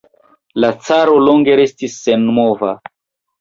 La caro longe restis senmova.